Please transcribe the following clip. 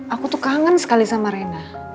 aku tuh kangen sekali sama rena